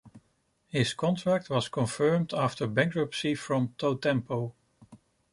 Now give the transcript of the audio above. His contract was confirmed after bankruptcy from Totempo.